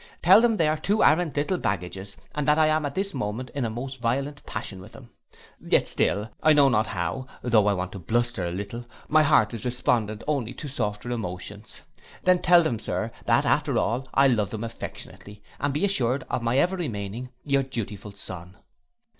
Tell them they are two arrant little baggages, and that I am this moment in a most violent passion with them: yet still, I know not how, tho' I want to bluster a little, my heart is respondent only to softer emotions. Then tell them, sir, that after all, I love them affectionately, and be assured of my ever remaining Your dutiful son.